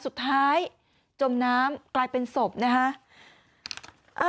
สุดท้ายจมน้ำกลายเป็นศพนะคะ